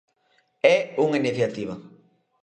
É unha iniciativa.